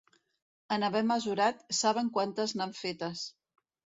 En haver mesurat, saben quantes n'han fetes.